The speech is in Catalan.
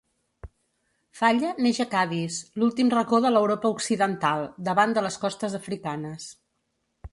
Falla neix a Cadis, l'últim racó de l'Europa occidental, davant de les costes africanes.